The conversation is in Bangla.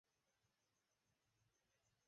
কি বোঝাতে চাচ্ছো?